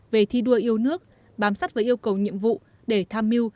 về thi đua yêu nước bám sát với yêu cầu nhiệm vụ để tham mưu